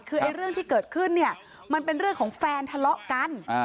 คือเรื่องที่เกิดขึ้นเนี่ยมันเป็นเรื่องของแฟนทะเลาะกัน